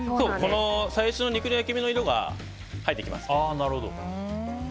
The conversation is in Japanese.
最初の肉の焼き目の色が入ってきます。